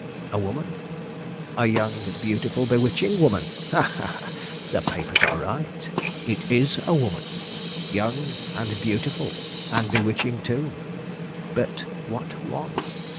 A woman! a young, beautiful, bewitching woman! Ha, ha, ha! The papers are right; it is a woman; young, beautiful, and bewitching too. But what one?